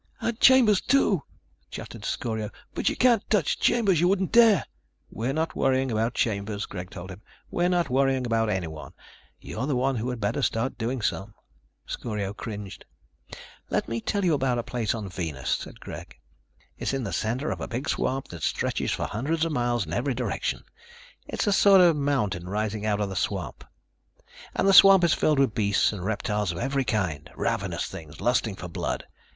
"And Chambers, too," chattered Scorio. "But you can't touch Chambers. You wouldn't dare." "We're not worrying about Chambers," Greg told him. "We're not worrying about anyone. You're the one who had better start doing some." Scorio cringed. "Let me tell you about a place on Venus," said Greg. "It's in the center of a big swamp that stretches for hundreds of miles in every direction. It's a sort of mountain rising out of the swamp. And the swamp is filled with beasts and reptiles of every kind. Ravenous things, lusting for blood.